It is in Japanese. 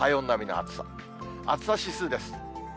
暑さ指数です。